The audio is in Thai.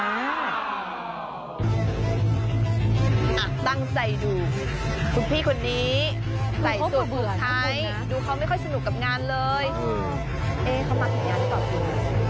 ตั้งใจดูทุกพี่คนนี้